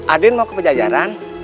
adin mau ke pajajaran